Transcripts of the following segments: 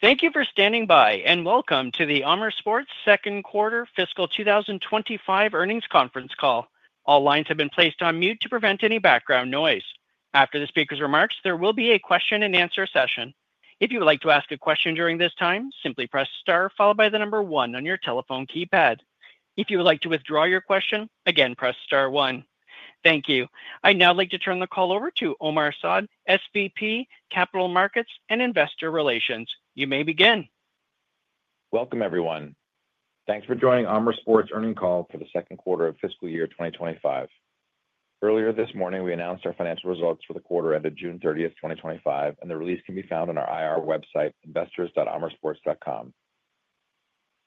Thank you for standing by and welcome to the Amer Sports Second Quarter Fiscal 2025 Earnings Conference Call. All lines have been placed on mute to prevent any background noise. After the speaker's remarks, there will be a question and answer session. If you would like to ask a question during this time, simply press Star followed by the number one on your telephone keypad. If you would like to withdraw your question, again press Star, one. Thank you. I'd now like to turn the call over to Omar Saad, SVP, Capital Markets, and Investor Relations. You may begin. Welcome, everyone. Thanks for joining Amer Sports earning call for the second quarter of fiscal year 2025. Earlier this morning, we announced our financial results for the quarter ended June 30th, 2025, and the release can be found on our IR website, investors.amersports.com.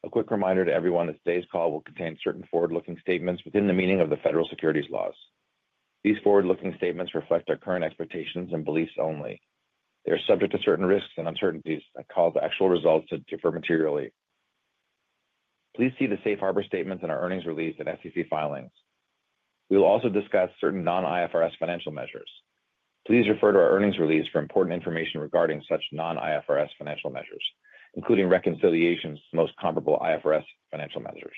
A quick reminder to everyone that today's call will contain certain forward-looking statements within the meaning of the Federal Securities Laws. These forward-looking statements reflect our current expectations and beliefs only. They are subject to certain risks and uncertainties that cause actual results to differ materially. Please see the safe harbor statements in our earnings release and SEC filings. We will also discuss certain non-IFRS financial measures. Please refer to our earnings release for important information regarding such non-IFRS financial measures, including reconciliations to most comparable IFRS financial measures.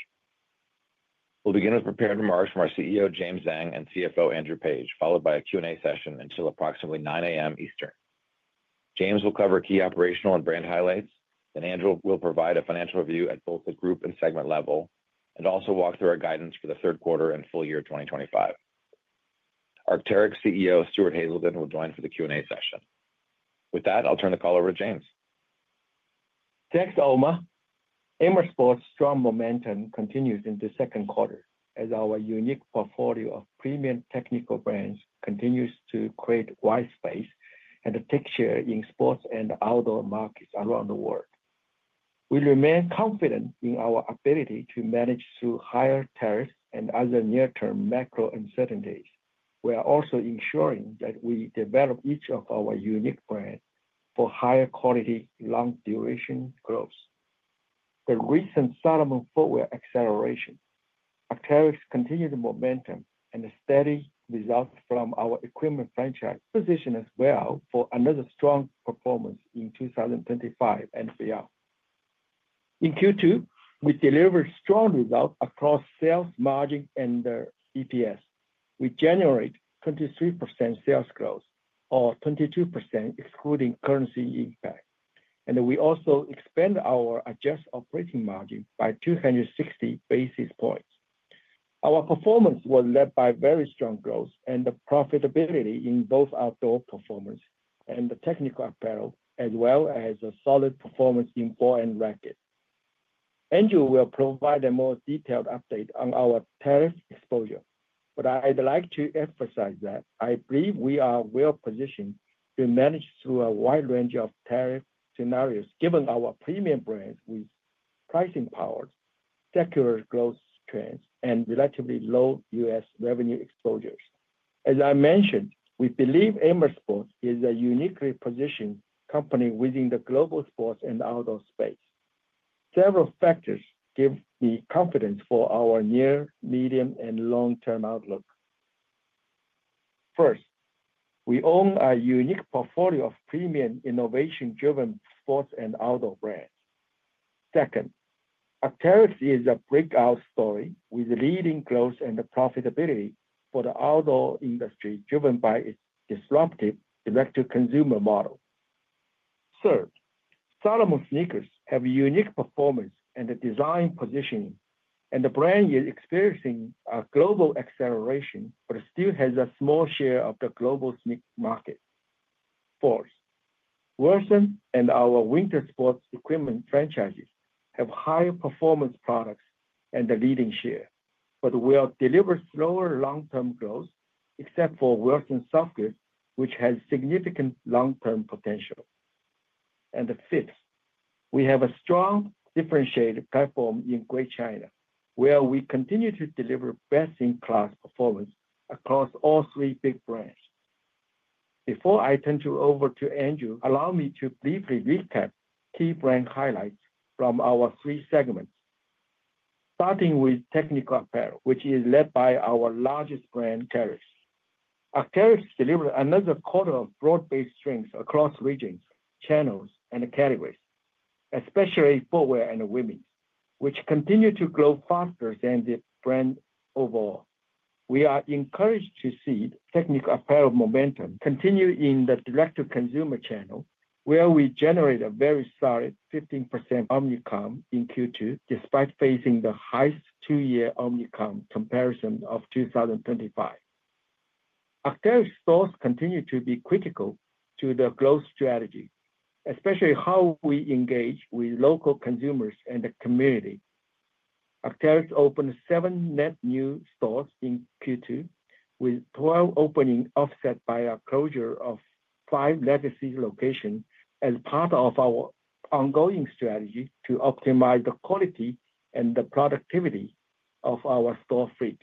We'll begin with prepared remarks from our CEO, James Zheng, and CFO, Andrew Page, followed by a Q&A session until approximately 9:00 A.M. Eastern. James will cover key operational and brand highlights, and Andrew will provide a financial review at both the group and segment level, and also walk through our guidance for the third quarter and full year 2025. Arc'teryx CEO, Stuart Haselden, will join for the Q&A session. With that, I'll turn the call over to James. Thanks, Omar. Amer Sports' strong momentum continues in the second quarter as our unique portfolio of premium technical brands continues to create widespread and take share in sports and outdoor markets around the world. We remain confident in our ability to manage through higher tariffs and other near-term macro uncertainties. We are also ensuring that we develop each of our unique brands for higher quality, long-duration growth. The recent Salomon footwear acceleration accelerates continued momentum and steady results from our equipment franchise. Positioned as well for another strong performance in 2025 and beyond. In Q2, we delivered strong results across sales, margin, and EPS. We generated 23% sales growth, or 22% excluding currency impact. We also expanded our adjusted operating margin by 260 basis points. Our performance was led by very strong growth and profitability in both outdoor performance and technical apparel, as well as a solid performance in ball and racket. Andrew will provide a more detailed update on our tariff exposure, but I'd like to emphasize that I believe we are well positioned to manage through a wide range of tariff scenarios, given our premium brands with pricing power, secular growth trends, and relatively low U.S. revenue exposures. As I mentioned, we believe Amer Sports is a uniquely positioned company within the global sports and outdoor space. Several factors give me confidence for our near, medium, and long-term outlook. First, we own a unique portfolio of premium innovation-driven sports and outdoor brands. Second, Arc'teryx is a breakout story with leading growth and profitability for the outdoor industry, driven by its disruptive direct-to-consumer model. Third, Salomon sneakers has a unique performance and design positioning, and the brand is experiencing a global acceleration but still has a small share of the global sneaker market. Fourth, Wilson and our winter sports equipment franchises have high-performance products and a leading share, but we have delivered slower long-term growth, except for Wilson's soft goods, which has significant long-term potential. Fifth, we have a strong differentiated platform in Greater China, where we continue to deliver best-in-class performance across all three big brands. Before I turn it over to Andrew, allow me to briefly recap key brand highlights from our three segments. Starting with technical apparel, which is led by our largest brand, Arc'teryx. Arc'teryx delivered another quarter of broad-based strength across regions, channels, and categories, especially footwear and women, which continue to grow faster than the brand overall. We are encouraged to see technical apparel momentum continue in the direct-to-consumer channel, where we generated a very solid 15% omnicom in Q2, despite facing the highest two-year omnicom comparison of 2025. Arc'teryx's stores continue to be critical to the growth strategy, especially how we engage with local consumers and the community. Arc'teryx opened seven net new stores in Q2, with 12 openings offset by a closure of five legacy locations as part of our ongoing strategy to optimize the quality and the productivity of our store fleet.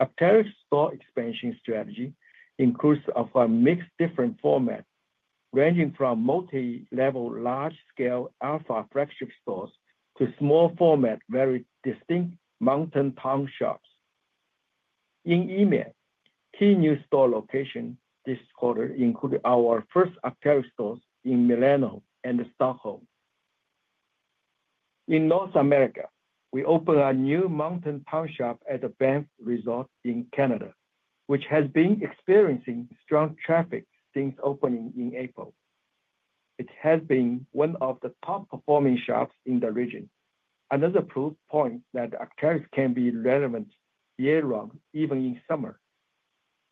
Arc'teryx's store expansion strategy includes a mix of different formats, ranging from multi-level large-scale alpha flagship stores to small format very distinct mountain town shops. In EMEA, key new store locations this quarter include our first Arc'teryx stores in Milano and Stockholm. In North America, we opened a new mountain town shop at the Banff Resort in Canada, which has been experiencing strong traffic since opening in April. It has been one of the top-performing shops in the region, another proof point that Arc'teryx can be relevant year-round, even in summer.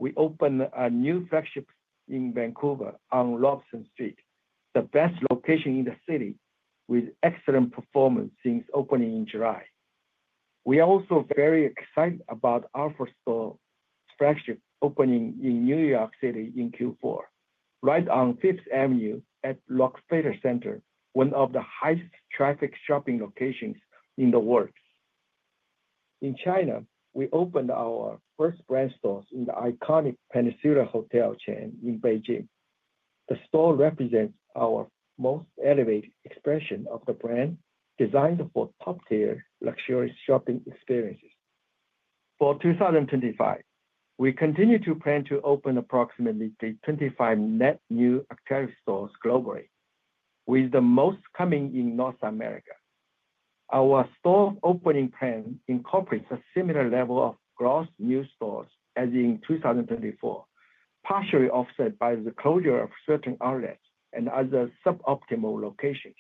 We opened a new flagship in Vancouver on Lawson Street, the best location in the city, with excellent performance since opening in July. We are also very excited about our first store flagship opening in New York City in Q4, right on 5th Avenue at Rockefeller Center, one of the highest traffic shopping locations in the world. In China, we opened our first brand stores in the iconic Peninsula Hotel chain in Beijing. The store represents our most elevated expression of the brand, designed for top-tier luxury shopping experiences. For 2025, we continue to plan to open approximately 25 net new Arc'teryx stores globally, with the most coming in North America. Our store opening plan incorporates a similar level of growth in new stores as in 2024, partially offset by the closure of certain outlets and other suboptimal locations.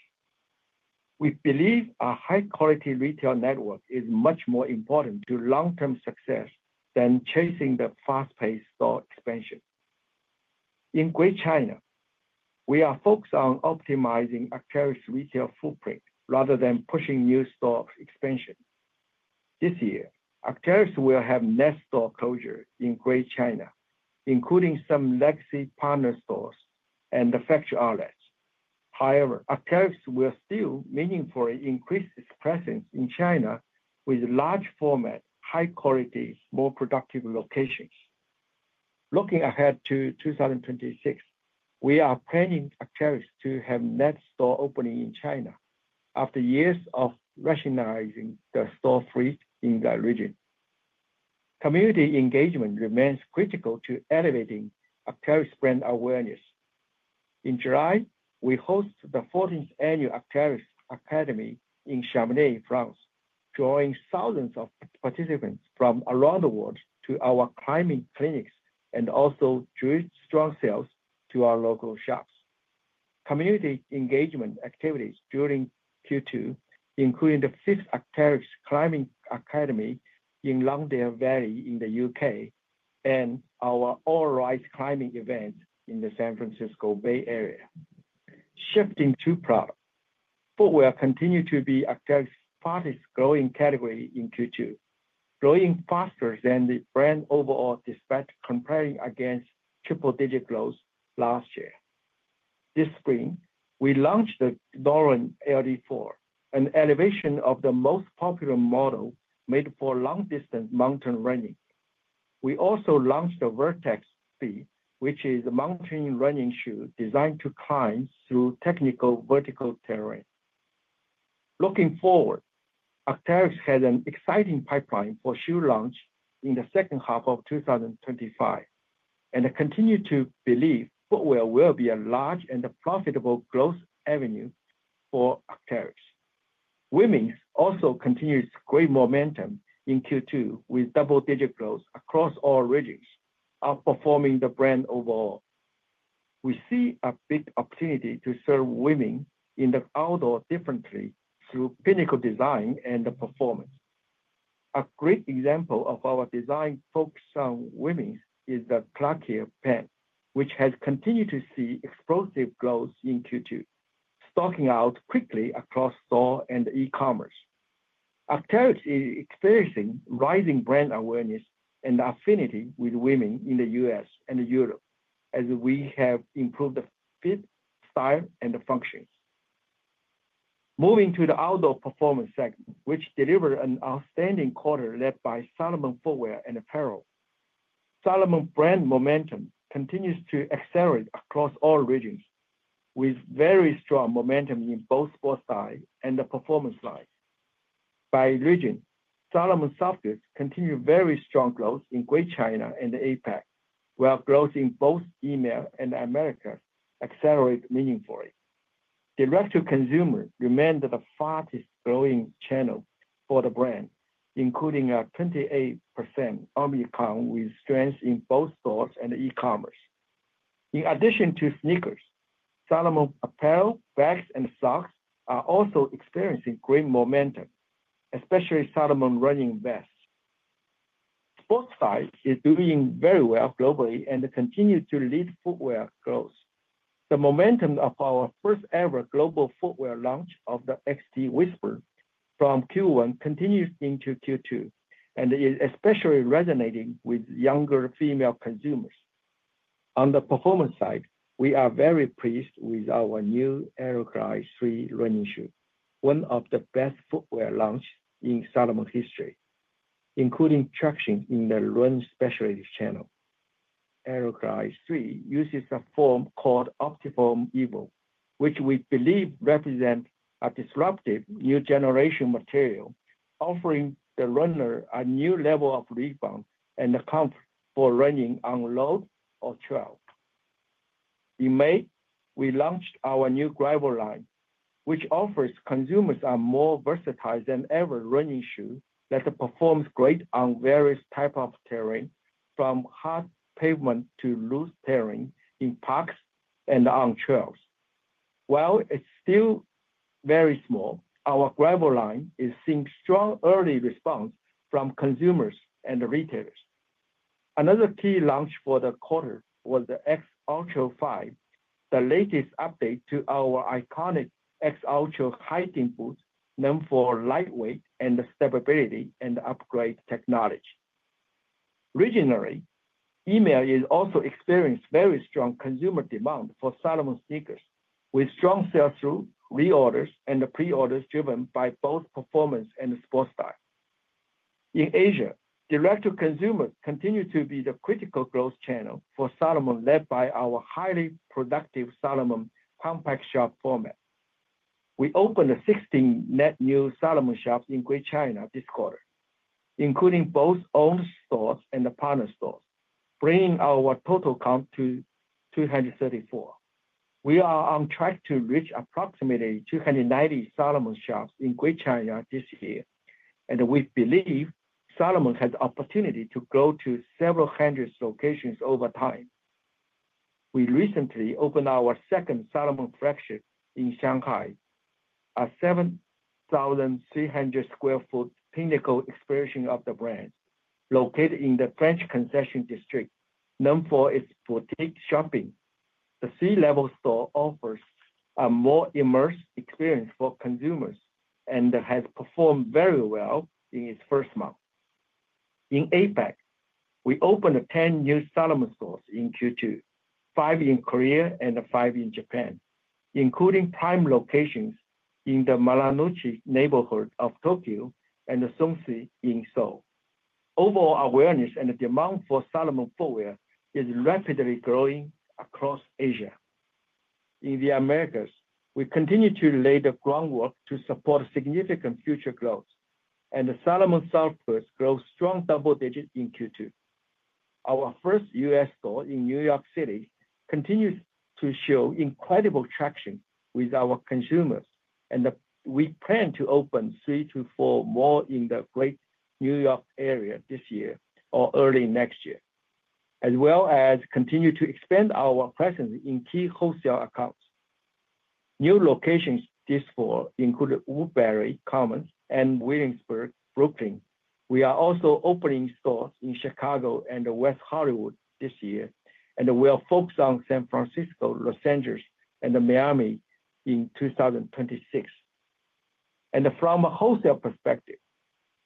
We believe a high-quality retail network is much more important to long-term success than chasing the fast-paced store expansion. In Greater China, we are focused on optimizing Arc'teryx's retail footprint rather than pushing new store expansion. This year, Arc'teryx will have net store closures in Greater China, including some legacy partner stores and the factory outlets. However, Arc'teryx will still meaningfully increase its presence in China with large-format, high-quality, more productive locations. Looking ahead to 2026, we are planning Arc'teryx to have net store opening in China, after years of rationalizing the store fleet in that region. Community engagement remains critical to elevating Arc'teryx's brand awareness. In July, we hosted the 14th Annual Arc'teryx Academy in Chamonix, France, drawing thousands of participants from around the world to our climbing clinics and also drawing strong sales to our local shops. Community engagement activities during Q2 included the fifth Arc'teryx Climbing Academy in Langdale Valley in the U.K. and our All-Rise climbing event in the San Francisco Bay Area. Shifting to product, footwear continues to be Arc'teryx's fastest growing category in Q2, growing faster than the brand overall despite comparing against triple-digit growth last year. This spring, we launched the Doran LD4, an elevation of the most popular model made for long-distance mountain running. We also launched the Vertex VT, which is a mountain running shoe designed to climb through technical vertical terrain. Looking forward, Arc'teryx has an exciting pipeline for shoe launch in the second half of 2025, and I continue to believe footwear will be a large and profitable growth avenue for Arc'teryx. Women's also continues great momentum in Q2 with double-digit growth across all regions, outperforming the brand overall. We see a big opportunity to serve women in the outdoor differently through pinnacle design and performance. A great example of our design focus on women's is theplaquier pant, which has continued to see explosive growth in Q2, stocking out quickly across store and e-commerce. Arc'teryx is experiencing rising brand awareness and affinity with women in the U.S. and Europe, as we have improved the fit, style, and functions. Moving to the outdoor performance segment, which delivered an outstanding quarter led by Salomon footwear and apparel, Salomon brand momentum continues to accelerate across all regions, with very strong momentum in both sportstyle and the performance side. By region, Salomon's soft goods continue very strong growth in Greater China and the APAC, where growth in both EMEA and Americas accelerates meaningfully. Direct-to-consumer remains the fastest growing channel for the brand, including a 28% omnichannel with strength in both stores and e-commerce. In addition to sneakers, Salomon apparel, bags, and socks are also experiencing great momentum, especially Salomon running vests. Sportstyle is doing very well globally and continues to lead footwear growth. The momentum of our first-ever global footwear launch of the XT-Whisper from Q1 continues into Q2 and is especially resonating with younger female consumers. On the performance side, we are very pleased with our new Aero Glide 3 running shoe, one of the best footwear launches in Salomon history, including traction in the run specialty channel. Aero Glide 3 uses a foam called OptiFoam Evo, which we believe represents a disruptive new generation material, offering the runner a new level of rebound and comfort for running on road or trail. In May, we launched our new gravel line, which offers consumers a more versatile than ever running shoe that performs great on various types of terrain, from hard pavement to loose terrain in parks and on trails. While it's still very small, our gravel line is seeing strong early response from consumers and retailers. Another key launch for the quarter was the X Ultra 5, the latest update to our iconic X Ultra hiking boots, known for lightweight and stability and upgraded technology. Regionally, EMEA has also experienced very strong consumer demand for Salomon sneakers, with strong sales through reorders and preorders driven by both performance and sportstyle. In Asia, direct-to-consumer continues to be the critical growth channel for Salomon, led by our highly productive Salomon compact shop format. We opened 16 net new Salomon shops in Greater China this quarter, including both owned stores and partner stores, bringing our total count to 234. We are on track to reach approximately 290 Salomon shops in Greater China this year, and we believe Salomon has the opportunity to grow to several hundred locations over time. We recently opened our second Salomon flagship in Shanghai, a 7,300-sq-ft pinnacle expression of the brand, located in the French Concession District, known for its boutique shopping. The C-level store offers a more immersive experience for consumers and has performed very well in its first month. In APAC, we opened 10 new Salomon stores in Q2, five in Korea and five in Japan, including prime locations in the Marunouchi neighborhood of Tokyo and Seongsu in Seoul. Overall awareness and demand for Salomon footwear is rapidly growing across Asia. In the Americas, we continue to lay the groundwork to support significant future growth, and Salomon's soft goods grow strong double digits in Q2. Our first U.S. store in New York City continues to show incredible traction with our consumers, and we plan to open three to four more in the Greater New York area this year or early next year, as well as continue to expand our presence in key wholesale accounts. New locations this quarter include Woodbury Commons and Williamsburg, Brooklyn. We are also opening stores in Chicago and West Hollywood this year, and we are focused on San Francisco, Los Angeles, and Miami in 2026. From a wholesale perspective,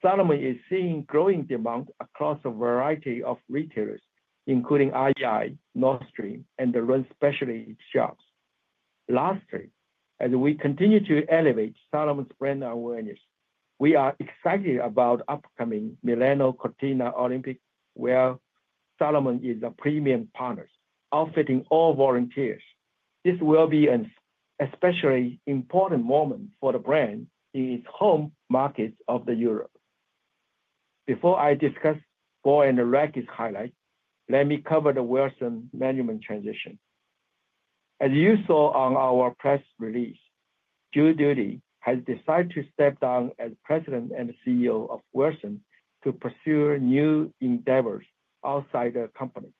Salomon is seeing growing demand across a variety of retailers, including IGI, Nordstrom, and the run specialty shops. Lastly, as we continue to elevate Salomon's brand awareness, we are excited about the upcoming Milano Cortina Olympics, where Salomon is a premium partner, outfitting all volunteers. This will be an especially important moment for the brand in its home markets of Europe. Before I discuss ball and racket highlights, let me cover the Wilson management transition. As you saw on our press release, Joe Dooley has decided to step down as President and CEO of Wilson to pursue new endeavors outside the company.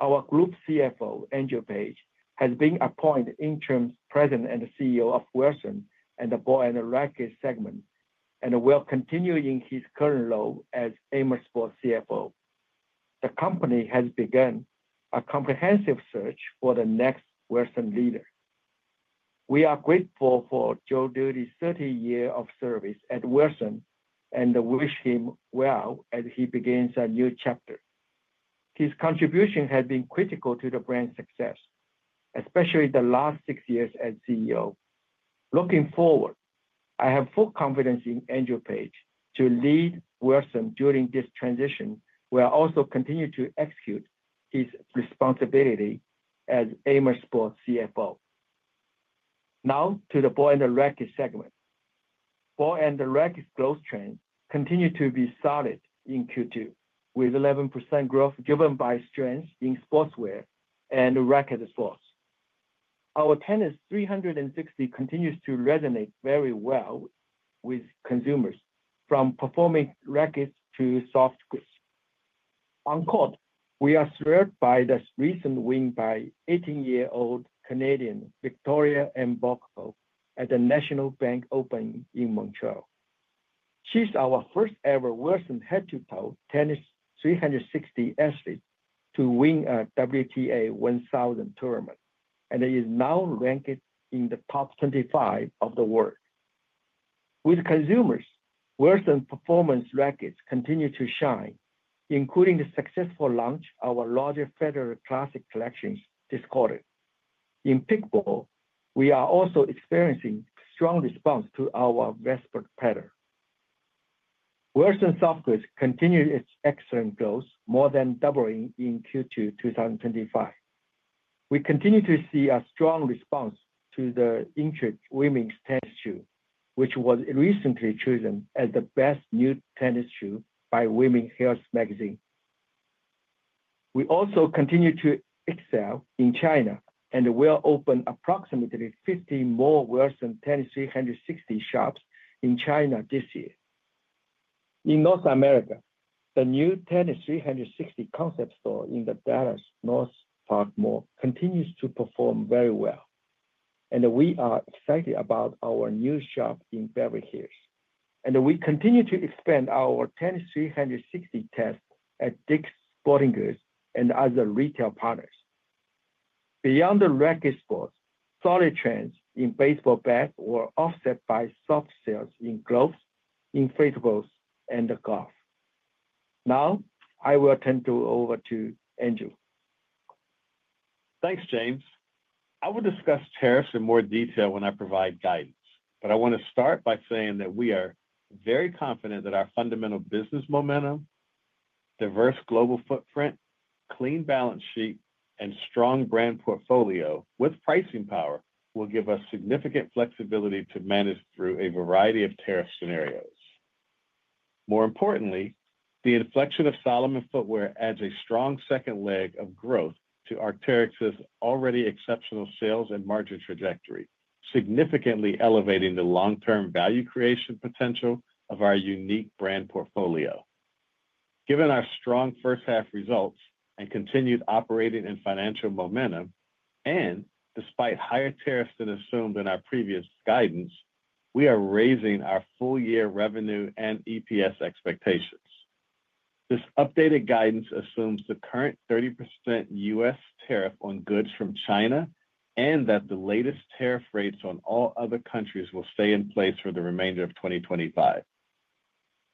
Our Group CFO, Andrew Page, has been appointed interim President and CEO of Wilson and the ball and racket segment and will continue in his current role as Amer Sports CFO. The company has begun a comprehensive search for the next Wilson leader. We are grateful for Joe Dooley's 30 years of service at Wilson and wish him well as he begins a new chapter. His contribution has been critical to the brand's success, especially the last six years as CEO. Looking forward, I have full confidence in Andrew Page to lead Wilson during this transition, where he will also continue to execute his responsibility as Amer Sports CFO. Now to the ball and racket segment. Ball and racket growth trends continue to be solid in Q2, with 11% growth driven by strength in sportswear and racket sports. Our Tennis 360 continues to resonate very well with consumers, from performing rackets to soft goods. On court, we are thrilled by the recent win by 18-year-old Canadian Victoria Mboko at the National Bank Open in Montreal. She's our first-ever Wilson head-to-toe Tennis 360 athlete to win a WTA 1000 tournament and is now ranked in the top 25 of the world. With consumers, Wilson performance rackets continue to shine, including the successful launch of our larger Federer Classic collections this quarter. In pickleball, we are also experiencing a strong response to our Westbrook pattern. Wilson soft goods continues its excellent growth, more than doubling in Q2 2025. We continue to see a strong response to the Intricate Women's tennis shoe, which was recently chosen as the best new tennis shoe by Women's Health magazine. We also continue to excel in China, and we will open approximately 50 more Wilson Tennis 360 shops in China this year. In North America, the new Tennis 360 concept store in the Dallas NorthPark Mall continues to perform very well, and we are excited about our new shop in Beverly Hills. We continue to expand our Tennis 360 test at Dick's Sporting Goods and other retail partners. Beyond the racket sports, solid trends in baseball bats were offset by soft sales in gloves, inflatables, and golf. Now, I will turn it over to Andrew. Thanks, James. I will discuss tariffs in more detail when I provide guidance, but I want to start by saying that we are very confident that our fundamental business momentum, diverse global footprint, clean balance sheet, and strong brand portfolio with pricing power will give us significant flexibility to manage through a variety of tariff scenarios. More importantly, the inflection of Salomon footwear adds a strong second leg of growth to Arc'teryx's already exceptional sales and margin trajectory, significantly elevating the long-term value creation potential of our unique brand portfolio. Given our strong first half results and continued operating and financial momentum, and despite higher tariffs than assumed in our previous guidance, we are raising our full-year revenue and EPS expectations. This updated guidance assumes the current 30% U.S. tariff on goods from China and that the latest tariff rates on all other countries will stay in place for the remainder of 2025.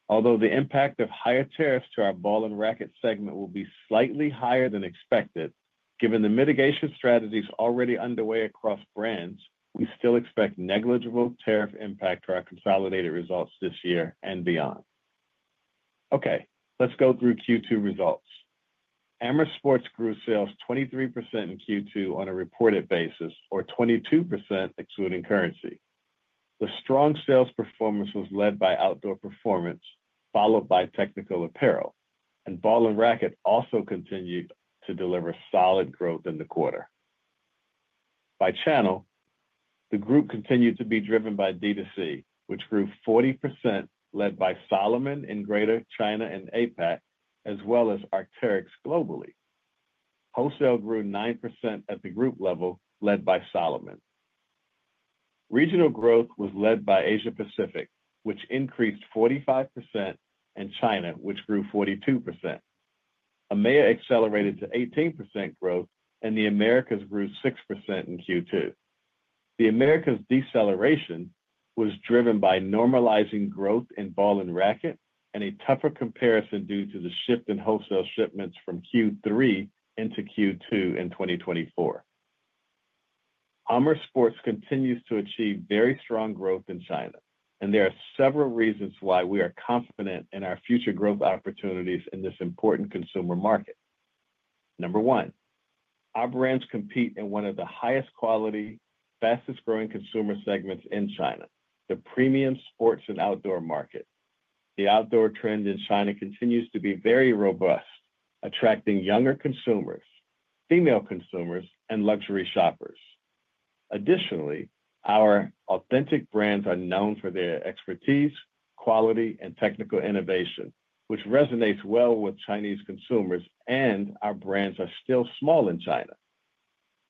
Although the impact of higher tariffs to our ball and racket segment will be slightly higher than expected, given the mitigation strategies already underway across brands, we still expect negligible tariff impact to our consolidated results this year and beyond. Okay, let's go through Q2 results. Amer Sports grew sales 23% in Q2 on a reported basis, or 22% excluding currency. The strong sales performance was led by outdoor performance, followed by technical apparel, and ball and racket also continued to deliver solid growth in the quarter. By channel, the group continued to be driven by direct-to-consumer, which grew 40% led by Salomon in Greater China and APAC, as well as Arc'teryx globally. Wholesale grew 9% at the group level, led by Salomon. Regional growth was led by Asia Pacific, which increased 45%, and China, which grew 42%. EMEA accelerated to 18% growth, and the Americas grew 6% in Q2. The Americas deceleration was driven by normalizing growth in ball and racket and a tougher comparison due to the shift in wholesale shipments from Q3 into Q2 in 2024. Amer Sports continues to achieve very strong growth in China, and there are several reasons why we are confident in our future growth opportunities in this important consumer market. Number one, our brands compete in one of the highest quality, fastest growing consumer segments in China, the premium sports and outdoor market. The outdoor trend in China continues to be very robust, attracting younger consumers, female consumers, and luxury shoppers. Additionally, our authentic brands are known for their expertise, quality, and technical innovation, which resonates well with Chinese consumers, and our brands are still small in China.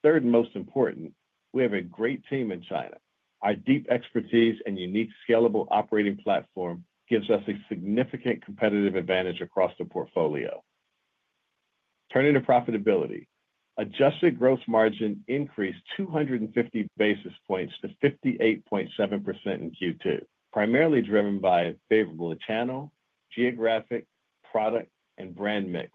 Third, most important, we have a great team in China. Our deep expertise and unique scalable operating platform give us a significant competitive advantage across the portfolio. Turning to profitability, adjusted gross margin increased 250 basis points to 58.7% in Q2, primarily driven by favorable channel, geographic, product, and brand mix,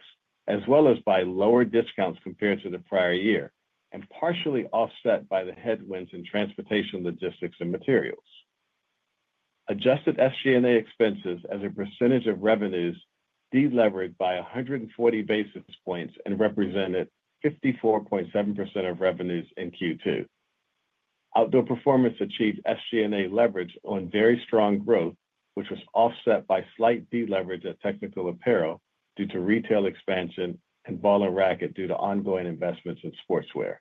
as well as by lower discounts compared to the prior year and partially offset by the headwinds in transportation, logistics, and materials. Adjusted SG&A expenses as a percentage of revenues deleveraged by 140 basis points and represented 54.7% of revenues in Q2. Outdoor performance achieved SG&A leverage on very strong growth, which was offset by slight deleverage at technical apparel due to retail expansion and ball and racket due to ongoing investments in sportswear.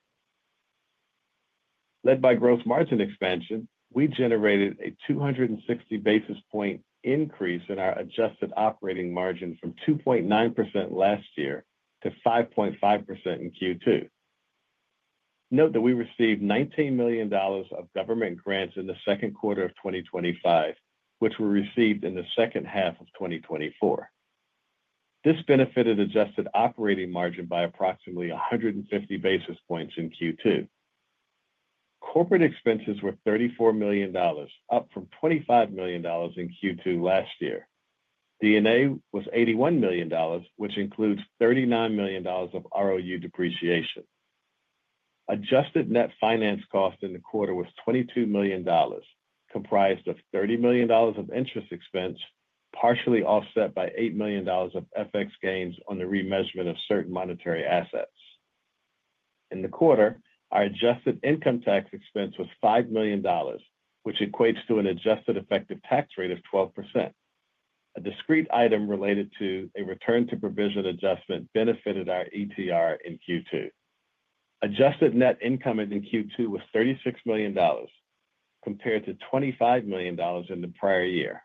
Led by gross margin expansion, we generated a 260 basis point increase in our adjusted operating margin from 2.9% last year to 5.5% in Q2. Note that we received $19 million of government grants in the second quarter of 2025, which were received in the second half of 2024. This benefited adjusted operating margin by approximately 150 basis points in Q2. Corporate expenses were $34 million, up from $25 million in Q2 last year. D&A was $81 million, which includes $39 million of ROU depreciation. Adjusted net finance cost in the quarter was $22 million, comprised of $30 million of interest expense, partially offset by $8 million of FX gains on the remeasurement of certain monetary assets. In the quarter, our adjusted income tax expense was $5 million, which equates to an adjusted effective tax rate of 12%. A discrete item related to a return to provision adjustment benefited our ETR in Q2. Adjusted net income in Q2 was $36 million, compared to $25 million in the prior year.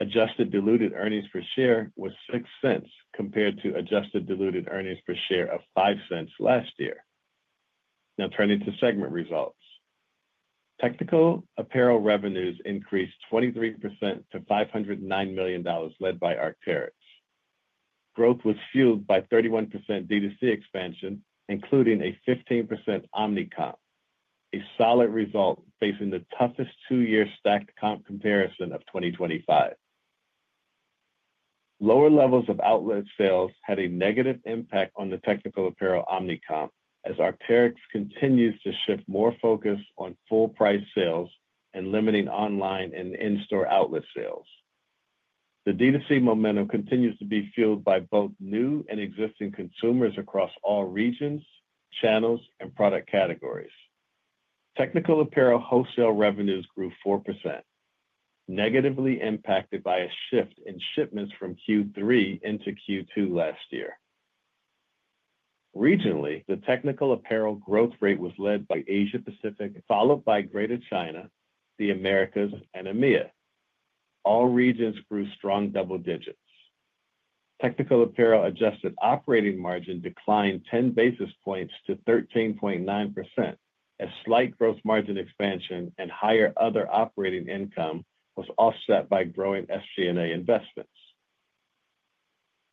Adjusted diluted earnings per share was $0.06 compared to adjusted diluted earnings per share of $0.05 last year. Now, turning to segment results. Technical apparel revenues increased 23% to $509 million, led by Arc'teryx. Growth was fueled by 31% D2C expansion, including a 15% omnichannel, a solid result facing the toughest two-year stacked comp comparison of 2025. Lower levels of outlet sales had a negative impact on the technical apparel omnicom, as Arc'teryx continues to shift more focus on full-price sales and limiting online and in-store outlet sales. The D2C momentum continues to be fueled by both new and existing consumers across all regions, channels, and product categories. Technical apparel wholesale revenues grew 4%, negatively impacted by a shift in shipments from Q3 into Q2 last year. Regionally, the technical apparel growth rate was led by Asia Pacific, followed by Greater China, the Americas, and EMEA. All regions grew strong double digits. Technical apparel adjusted operating margin declined 10 basis points to 13.9%, as slight gross margin expansion and higher other operating income was offset by growing SG&A investments.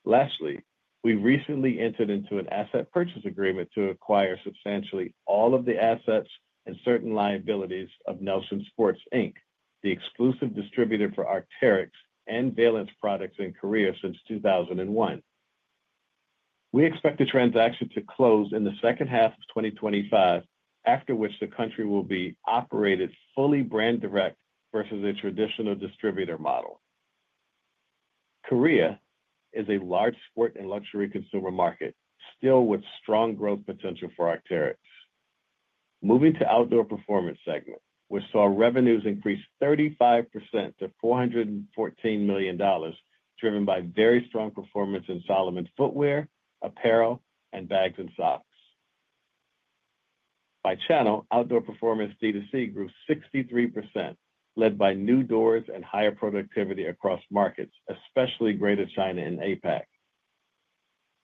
Lastly, we recently entered into an asset purchase agreement to acquire substantially all of the assets and certain liabilities of Nelson Sports, Inc., the exclusive distributor for Arc'teryx and Valance products in Korea since 2001. We expect the transaction to close in the second half of 2025, after which the country will be operated fully brand direct versus a traditional distributor model. Korea is a large sport and luxury consumer market, still with strong growth potential for Arc'teryx. Moving to the outdoor performance segment, which saw revenues increase 35% to $414 million, driven by very strong performance in Salomon footwear, apparel, and bags and socks. By channel, outdoor performance D2C grew 63%, led by new doors and higher productivity across markets, especially Greater China and APAC.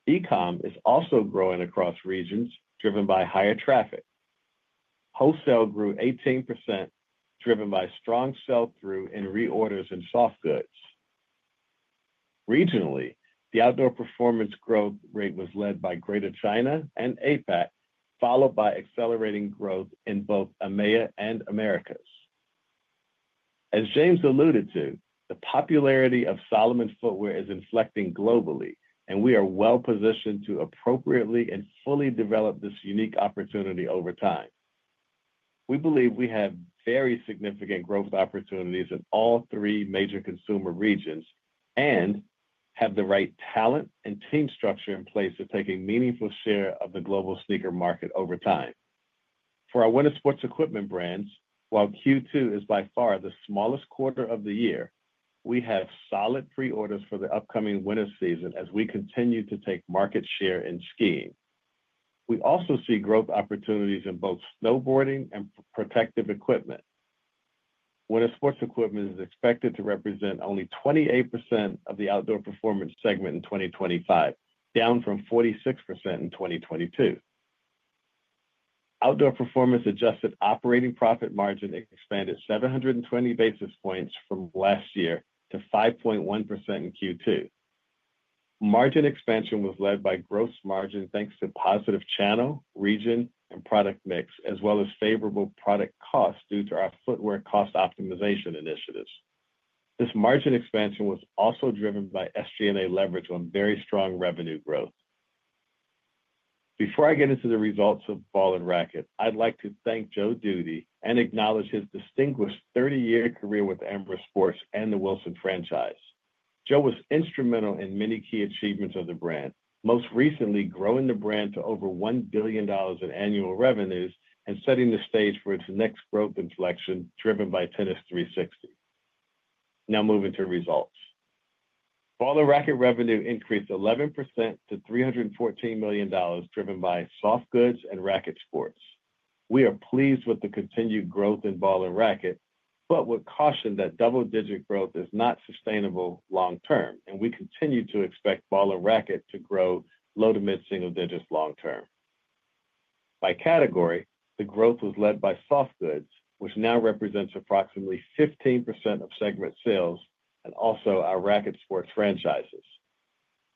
E-com is also growing across regions, driven by higher traffic. Wholesale grew 18%, driven by strong sell-through in reorders and soft goods. Regionally, the outdoor performance growth rate was led by Greater China and APAC, followed by accelerating growth in both EMEA and Americas. As James alluded to, the popularity of Salomon footwear is inflecting globally, and we are well positioned to appropriately and fully develop this unique opportunity over time. We believe we have very significant growth opportunities in all three major consumer regions and have the right talent and team structure in place to take a meaningful share of the global sneaker market over time. For our winter sports equipment brands, while Q2 is by far the smallest quarter of the year, we have solid preorders for the upcoming winter season as we continue to take market share in skiing. We also see growth opportunities in both snowboarding and protective equipment. Winter sports equipment is expected to represent only 28% of the outdoor performance segment in 2025, down from 46% in 2022. Outdoor performance adjusted operating profit margin expanded 720 basis points from last year to 5.1% in Q2. Margin expansion was led by gross margin thanks to positive channel, region, and product mix, as well as favorable product costs due to our footwear cost optimization initiatives. This margin expansion was also driven by SG&A leverage on very strong revenue growth. Before I get into the results of ball and racket, I'd like to thank Joe Dooley and acknowledge his distinguished 30-year career with Amer Sports and the Wilson franchise. Joe was instrumental in many key achievements of the brand, most recently growing the brand to over $1 billion in annual revenues and setting the stage for its next growth inflection, driven by Tennis 360. Now moving to results. Ball and racket revenue increased 11% to $314 million, driven by soft goods and racket sports. We are pleased with the continued growth in ball and racket, but would caution that double-digit growth is not sustainable long term, and we continue to expect ball and racket to grow low to mid-single digits long term. By category, the growth was led by soft goods, which now represents approximately 15% of segment sales and also our racket sports franchises.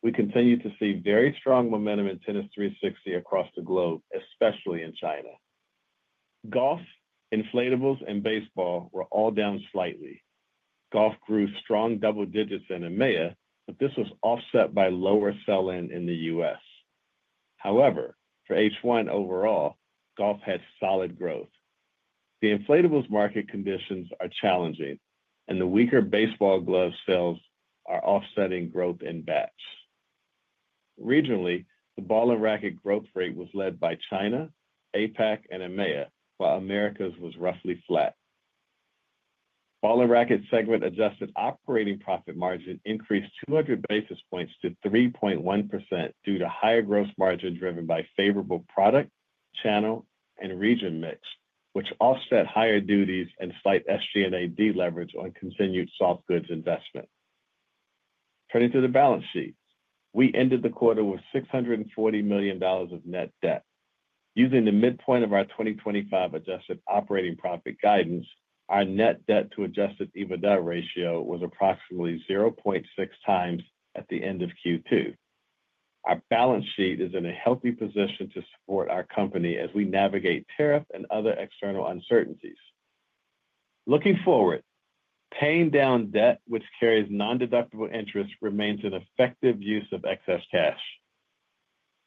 We continue to see very strong momentum in Tennis 360 across the globe, especially in China. Golf, inflatables, and baseball were all down slightly. Golf grew strong double digits in EMEA, but this was offset by lower sell-in in the U.S. However, for H1 overall, golf had solid growth. The inflatables market conditions are challenging, and the weaker baseball glove sales are offsetting growth in bats. Regionally, the ball and racket growth rate was led by China, APAC, and EMEA, while Americas was roughly flat. Ball and racket segment adjusted operating profit margin increased 200 basis points to 3.1% due to higher gross margin driven by favorable product, channel, and region mix, which offset higher duties and fight SG&A deleverage on continued soft goods investment. Turning to the balance sheet, we ended the quarter with $640 million of net debt. Using the midpoint of our 2025 adjusted operating profit guidance, our net debt to adjusted EBITDA ratio was approximately 0.6 times at the end of Q2. Our balance sheet is in a healthy position to support our company as we navigate tariff and other external uncertainties. Looking forward, paying down debt, which carries non-deductible interest, remains an effective use of excess cash.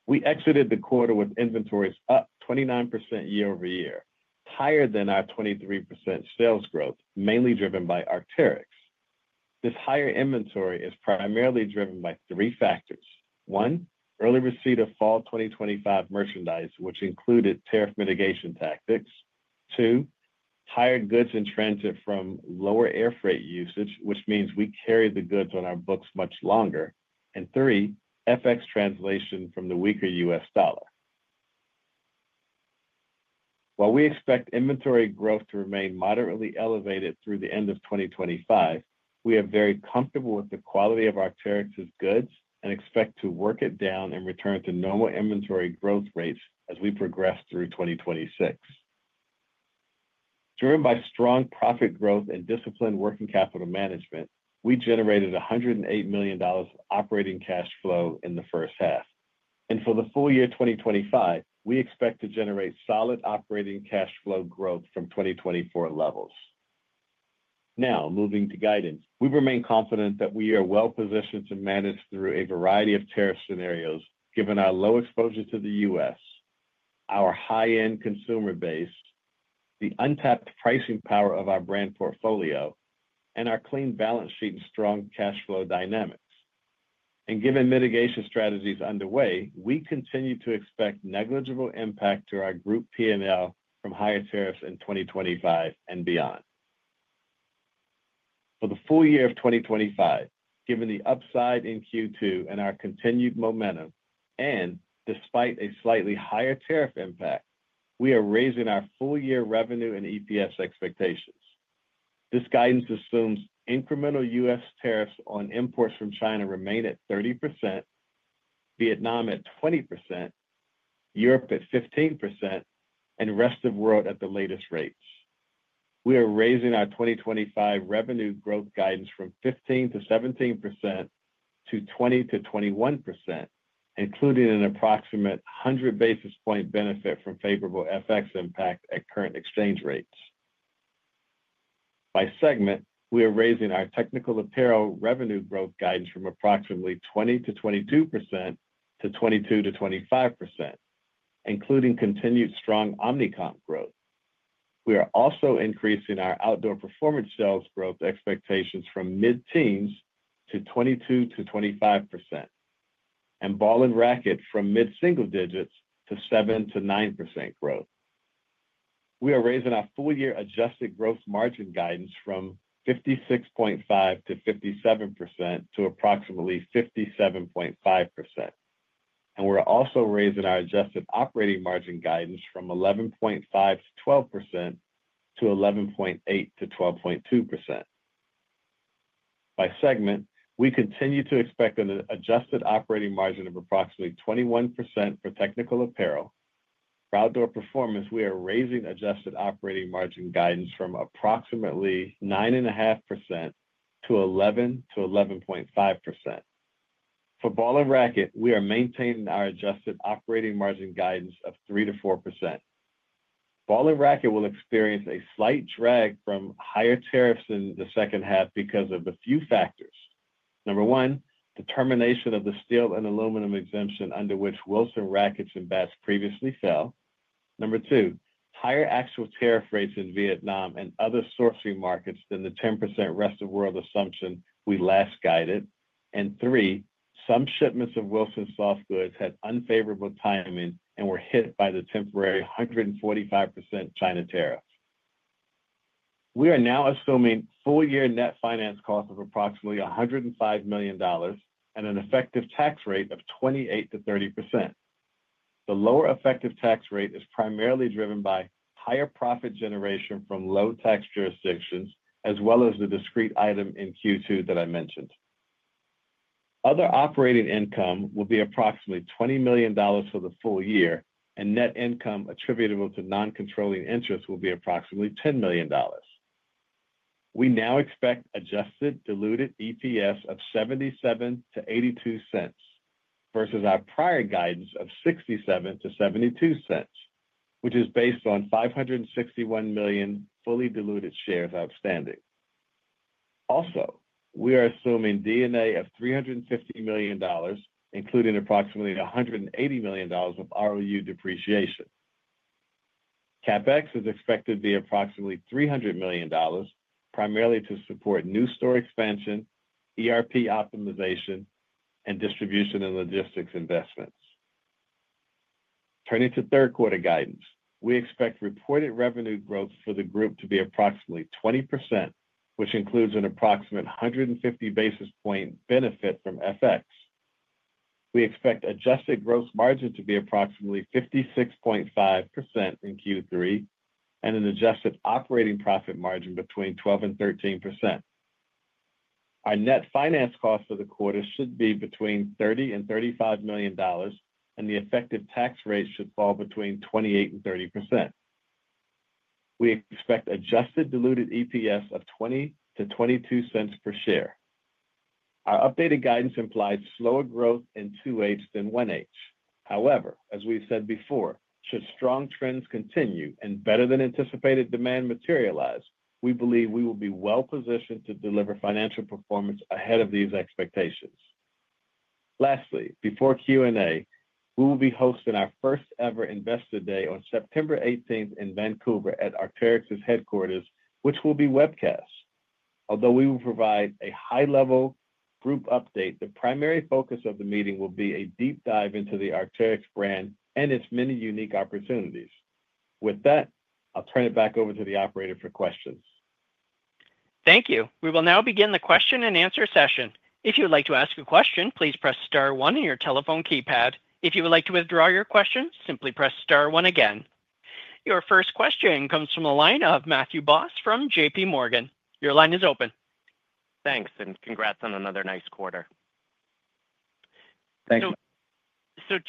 We exited the quarter with inventories up 29% year-over-year, higher than our 23% sales growth, mainly driven by Arc'teryx. This higher inventory is primarily driven by three factors: one, early receipt of fall 2025 merchandise, which included tariff mitigation tactics; two, higher goods in transit from lower air freight usage, which means we carried the goods on our books much longer; and three, FX translation from the weaker U.S. dollar. While we expect inventory growth to remain moderately elevated through the end of 2025, we are very comfortable with the quality of Arc'teryx's goods and expect to work it down and return to normal inventory growth rates as we progress through 2026. Driven by strong profit growth and disciplined working capital management, we generated $108 million of operating cash flow in the first half. For the full year 2025, we expect to generate solid operating cash flow growth from 2024 levels. Now, moving to guidance, we remain confident that we are well positioned to manage through a variety of tariff scenarios, given our low exposure to the U.S., our high-end consumer base, the untapped pricing power of our brand portfolio, and our clean balance sheet and strong cash flow dynamics. Given mitigation strategies underway, we continue to expect negligible impact to our group P&L from higher tariffs in 2025 and beyond. For the full year of 2025, given the upside in Q2 and our continued momentum, and despite a slightly higher tariff impact, we are raising our full-year revenue and EPS expectations. This guidance assumes incremental U.S. tariffs on imports from China remain at 30%, Vietnam at 20%, Europe at 15%, and the rest of the world at the latest rates. We are raising our 2025 revenue growth guidance from 15%-17% to 20%-21%, including an approximate 100 basis point benefit from favorable FX impact at current exchange rates. By segment, we are raising our technical apparel revenue growth guidance from approximately 20%-22% to 22%-25%, including continued strong omnicom growth. We are also increasing our outdoor performance sales growth expectations from mid-teens to 22%-25%, and ball and racket from mid-single digits to 7%-9% growth. We are raising our full-year adjusted gross margin guidance from 56.5% to 57% to approximately 57.5%, and we're also raising our adjusted operating margin guidance from 11.5% to 12% to 11.8% to 12.2%. By segment, we continue to expect an adjusted operating margin of approximately 21% for technical apparel. For outdoor performance, we are raising adjusted operating margin guidance from approximately 9.5% to 11%-11.5%. For ball and racket, we are maintaining our adjusted operating margin guidance of 3%-4%. Ball and racket will experience a slight drag from higher tariffs in the second half because of a few factors. Number one, the termination of the steel and aluminum exemption under which Wilson rackets and bats previously fell. Number two, higher actual tariff rates in Vietnam and other sourcing markets than the 10% rest of the world assumption we last guided. Number three, some shipments of Wilson soft goods had unfavorable timing and were hit by the temporary 145% China tariff. We are now assuming full-year net finance costs of approximately $105 million and an effective tax rate of 28%-30%. The lower effective tax rate is primarily driven by higher profit generation from low tax jurisdictions, as well as the discrete item in Q2 that I mentioned. Other operating income will be approximately $20 million for the full year, and net income attributable to non-controlling interest will be approximately $10 million. We now expect adjusted diluted EPS of $0.77 to $0.82 versus our prior guidance of $0.67 to $0.72, which is based on 561 million fully diluted shares outstanding. Also, we are assuming D&A of $350 million, including approximately $180 million of ROU depreciation. CapEx is expected to be approximately $300 million, primarily to support new store expansion, ERP optimization, and distribution and logistics investments. Turning to third quarter guidance, we expect reported revenue growth for the group to be approximately 20%, which includes an approximate 150 basis point benefit from FX. We expect adjusted gross margin to be approximately 56.5% in Q3 and an adjusted operating profit margin between 12% and 13%. Our net finance cost for the quarter should be between $30 million and $35 million, and the effective tax rate should fall between 28% and 30%. We expect adjusted diluted EPS of $0.20-$0.22 per share. Our updated guidance implies slower growth in two waves than one wave. However, as we've said before, should strong trends continue and better than anticipated demand materialize, we believe we will be well positioned to deliver financial performance ahead of these expectations. Lastly, before Q&A, we will be hosting our first ever Investor Day on September 18th in Vancouver at Arc'teryx headquarters, which will be webcast. Although we will provide a high-level group update, the primary focus of the meeting will be a deep dive into the Arc'teryx brand and its many unique opportunities. With that, I'll turn it back over to the operator for questions. Thank you. We will now begin the question-and-answer session. If you would like to ask a question, please press Star, one on your telephone keypad. If you would like to withdraw your question, simply press Star, one again. Your first question comes from the line of Matthew Boss from JPMorgan. Your line is open. Thanks, and congrats on another nice quarter. Thank you.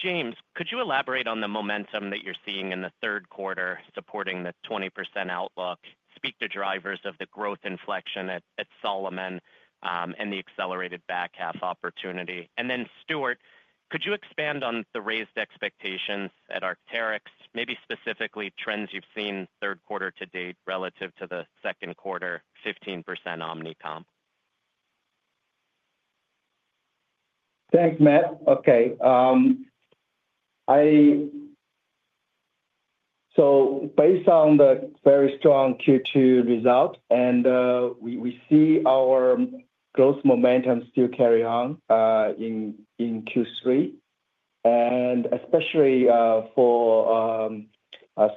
James, could you elaborate on the momentum that you're seeing in the third quarter supporting the 20% outlook, speak to drivers of the growth inflection at Salomon and the accelerated back half opportunity? Stuart, could you expand on the raised expectations at Arc'teryx, maybe specifically trends you've seen third quarter to date relative to the second quarter, 15% omnicom? Thanks, Matt. Okay. Based on the very strong Q2 result, we see our growth momentum still carry on in Q3, especially for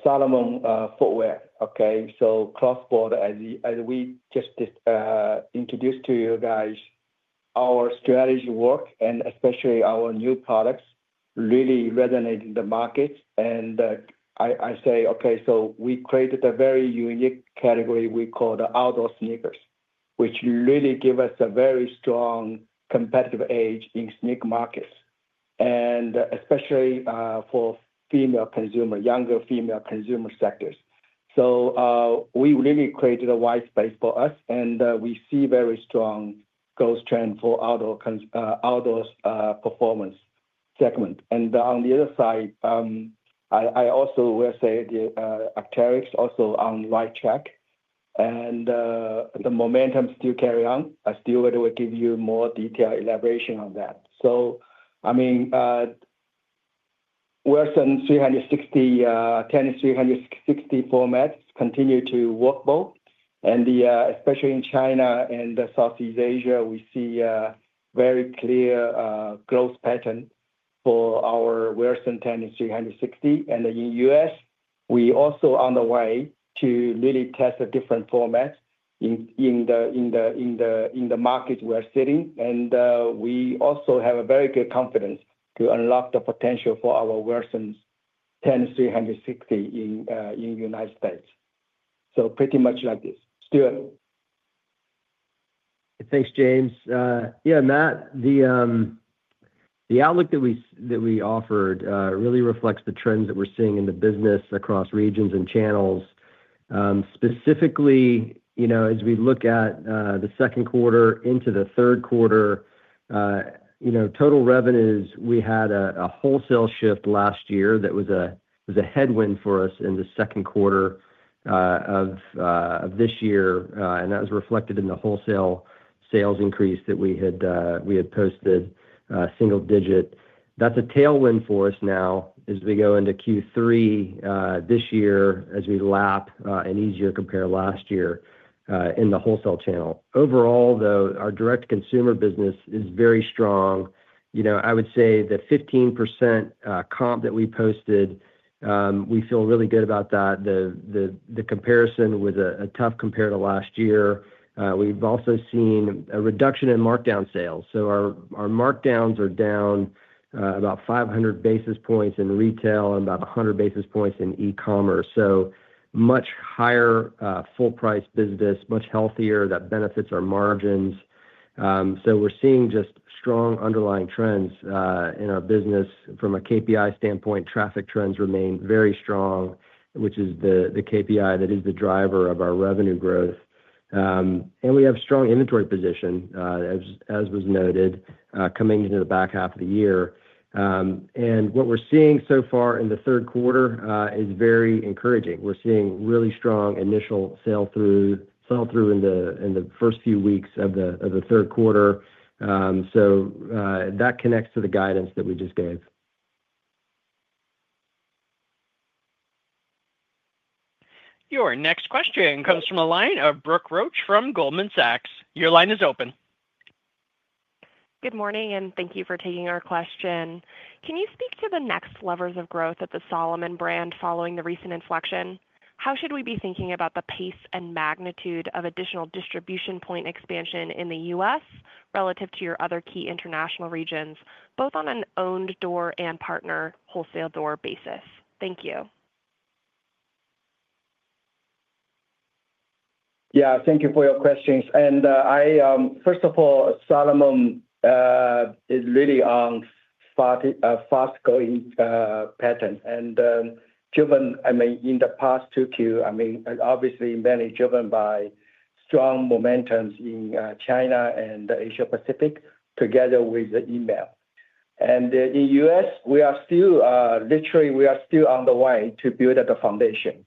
Salomon footwear. Cross-border, as we just introduced to you guys, our strategy works and especially our new products really resonate in the markets. We created a very unique category we call the outdoor sneakers, which really gives us a very strong competitive edge in sneaker markets, especially for female consumers, younger female consumer sectors. We really created a wide space for us, and we see very strong growth trends for outdoor performance segment. On the other side, I also will say Arc'teryx is also on the right track, and the momentum still carries on. I still will give you more detailed elaboration on that. Wilson Tennis 360 formats continue to work well, especially in China and Southeast Asia. We see a very clear growth pattern for our Wilson Tennis 360. In the U.S., we are also on the way to really test different formats in the markets we are sitting, and we also have very good confidence to unlock the potential for our Wilson Tennis 360 in the United States. Pretty much like this. Stuart? Thanks, James. Yeah, Matt, the outlook that we offered really reflects the trends that we're seeing in the business across regions and channels. Specifically, as we look at the second quarter into the third quarter, total revenues, we had a wholesale shift last year that was a headwind for us in the second quarter of this year, and that was reflected in the wholesale sales increase that we had posted single digit. That's a tailwind for us now as we go into Q3 this year, as we lap an easier compare last year in the wholesale channel. Overall, though, our direct-to-consumer business is very strong. I would say the 15% comp that we posted, we feel really good about that. The comparison was tough compared to last year. We've also seen a reduction in markdown sales. Our markdowns are down about 500 basis points in retail and about 100 basis points in e-commerce. Much higher full-price business, much healthier that benefits our margins. We're seeing just strong underlying trends in our business. From a KPI standpoint, traffic trends remain very strong, which is the KPI that is the driver of our revenue growth. We have a strong inventory position, as was noted, coming into the back half of the year. What we're seeing so far in the third quarter is very encouraging. We're seeing really strong initial sell-through in the first few weeks of the third quarter. That connects to the guidance that we just gave. Your next question comes from a line of Brooke Roach from Goldman Sachs. Your line is open. Good morning, and thank you for taking our question. Can you speak to the next levers of growth at the Salomon brand following the recent inflection? How should we be thinking about the pace and magnitude of additional distribution point expansion in the U.S. relative to your other key international regions, both on an owned door and partner wholesale door basis? Thank you. Yeah, thank you for your questions. First of all, Salomon is really on a fast-growing pattern. In the past two Qs, obviously mainly driven by strong momentum in China and Asia Pacific, together with the EMEA. In the U.S., we are still, literally, we are still on the way to build the foundation.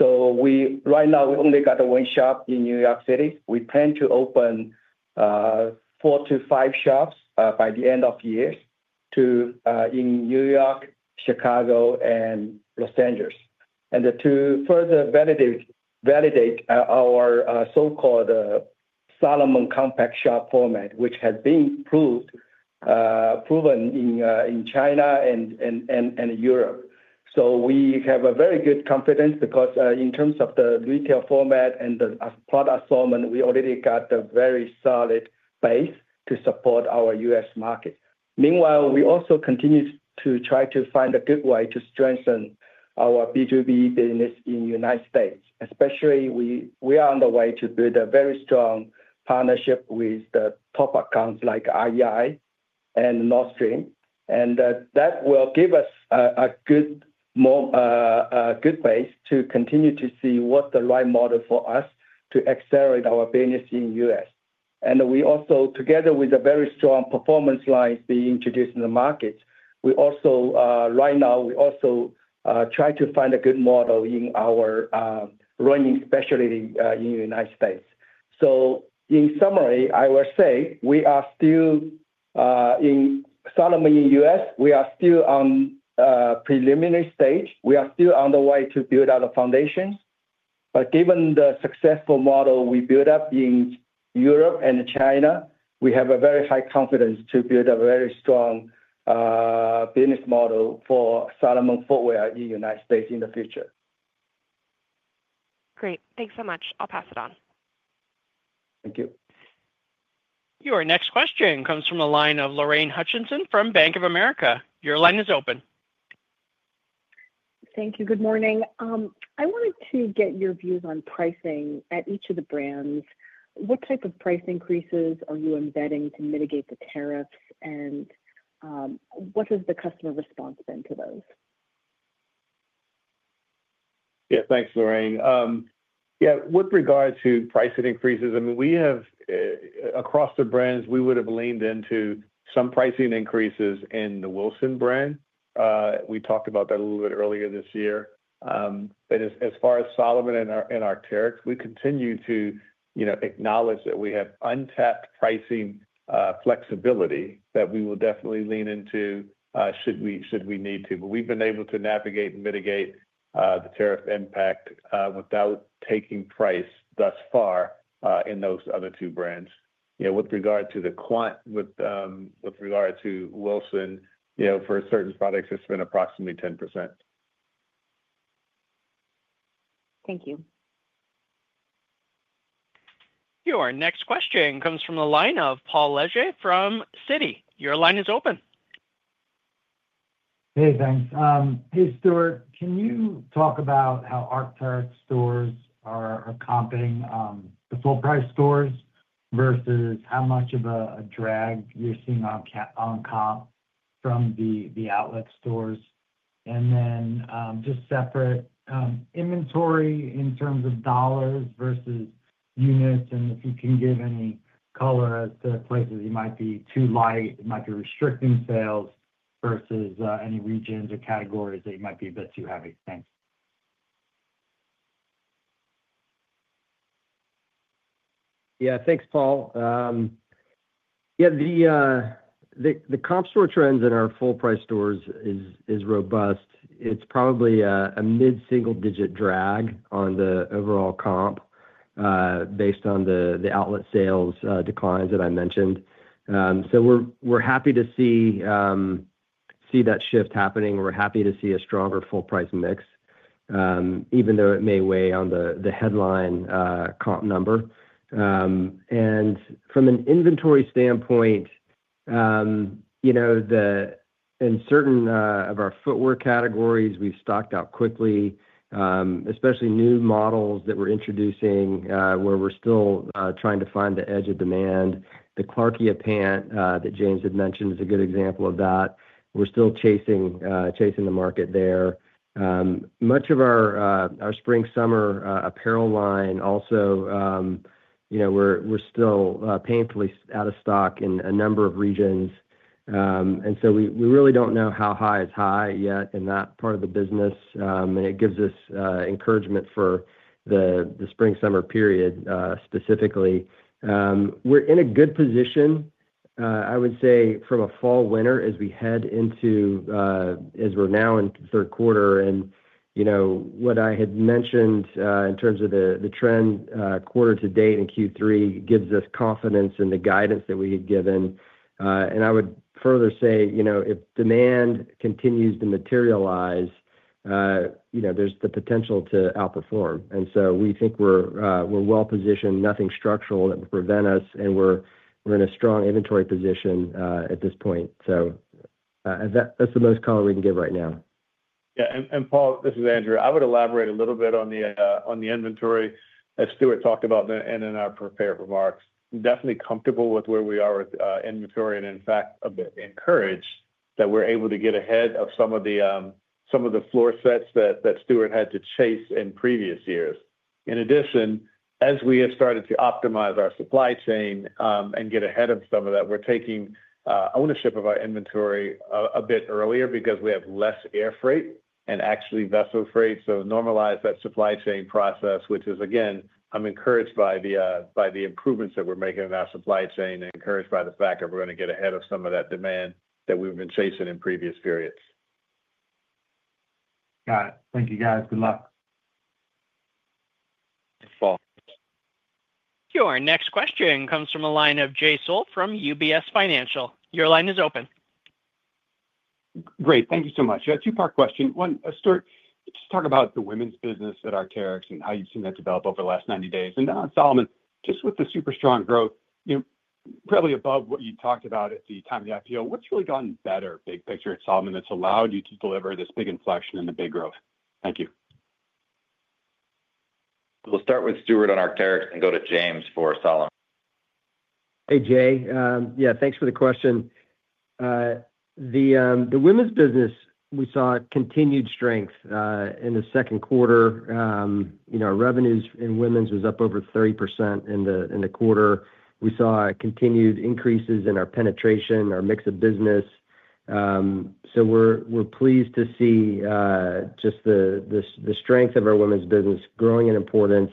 Right now, we only got one shop in New York City. We plan to open four to five shops by the end of the year in New York, Chicago, and Los Angeles to further validate our so-called Salomon compact shop format, which has been proven in China and Europe. We have very good confidence because in terms of the retail format and the product assortment, we already got a very solid base to support our U.S. market. Meanwhile, we also continue to try to find a good way to strengthen our B2B business in the United States. Especially, we are on the way to build a very strong partnership with the top accounts like REI and Nordstrom, and that will give us a good base to continue to see what's the right model for us to accelerate our business in the U.S. We also, together with a very strong performance line being introduced in the markets, right now, we also try to find a good model in our running, especially in the United States. In summary, I will say we are still, in Salomon in the U.S., we are still on a preliminary stage. We are still on the way to build out a foundation. Given the successful model we built up in Europe and China, we have a very high confidence to build a very strong business model for Salomon footwear in the United States in the future. Great. Thanks so much. I'll pass it on. Thank you. Your next question comes from a line of Lorraine Hutchinson from Bank of America. Your line is open. Thank you. Good morning. I wanted to get your views on pricing at each of the brands. What type of price increases are you embedding to mitigate the tariffs, and what has the customer response been to those? Yeah, thanks, Lorraine. Yeah, with regard to pricing increases, I mean, we have, across the brands, we would have leaned into some pricing increases in the Wilson brand. We talked about that a little bit earlier this year. As far as Salomon and Arc'teryx, we continue to acknowledge that we have untapped pricing flexibility that we will definitely lean into should we need to. We've been able to navigate and mitigate the tariff impact without taking price thus far in those other two brands. With regard to the quant, with regard to Wilson, for certain products, it's been approximately 10%. Thank you. Your next question comes from a line of Paul Lejuez from Citi. Your line is open. Hey, thanks. Hey, Stuart, can you talk about how Arc'teryx stores are competing for full-price stores versus how much of a drag you're seeing on comp from the outlet stores? Then just separate inventory in terms of dollars versus units, and if you can give any color as to places that might be too light, might be restricting sales versus any regions or categories that might be a bit too highly expensive. Yeah, thanks, Paul. The comp store trends in our full-price stores are robust. It's probably a mid-single-digit drag on the overall comp based on the outlet sales declines that I mentioned. We're happy to see that shift happening. We're happy to see a stronger full-price mix, even though it may weigh on the headline comp number. From an inventory standpoint, in certain of our footwear categories, we've stocked out quickly, especially new models that we're introducing where we're still trying to find the edge of demand. The Clarkia pant that James had mentioned is a good example of that. We're still chasing the market there. Much of our spring-summer apparel line also, we're still painfully out of stock in a number of regions. We really don't know how high is high yet in that part of the business, and it gives us encouragement for the spring-summer period specifically. We're in a good position, I would say, from a fall-winter as we head into, as we're now in the third quarter. What I had mentioned in terms of the trend quarter to date in Q3 gives us confidence in the guidance that we had given. I would further say, if demand continues to materialize, there's the potential to outperform. We think we're well positioned, nothing structural that would prevent us, and we're in a strong inventory position at this point. That's the most color we can give right now. Yeah. Paul, this is Andrew. I would elaborate a little bit on the inventory as Stuart talked about in our prepared remarks. Definitely comfortable with where we are with inventory and, in fact, a bit encouraged that we're able to get ahead of some of the floor sets that Stuart had to chase in previous years. In addition, as we have started to optimize our supply chain and get ahead of some of that, we're taking ownership of our inventory a bit earlier because we have less air freight and actually vessel freight. We have normalized that supply chain process, which is, again, I'm encouraged by the improvements that we're making in our supply chain and encouraged by the fact that we're going to get ahead of some of that demand that we've been chasing in previous periods. Got it. Thank you, guys. Good luck. Thanks, Paul. Your next question comes from a line of Jay Sole from UBS Financial. Your line is open. Great, thank you so much. Two-part question. One, Stuart, can you just talk about the women's business at Arc'teryx and how you've seen that develop over the last 90 days? Then on Salomon, just with the super strong growth, you know, probably above what you talked about at the time of the IPO, what's really gotten better, big picture at Salomon, that's allowed you to deliver this big inflection and the big growth? Thank you. We'll start with Stuart on Arc'teryx and go to James for Salomon. Hey, Jay. Yeah, thanks for the question. The women's business, we saw continued strength in the second quarter. Our revenues in women's was up over 30% in the quarter. We saw continued increases in our penetration, our mix of business. We're pleased to see just the strength of our women's business growing in importance.